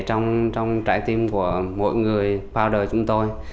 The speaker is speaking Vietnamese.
trong trái tim của mỗi người bao đời chúng tôi